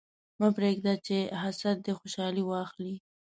مه پرېږده چې حسد دې خوشحالي واخلي.